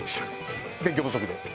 勉強不足で。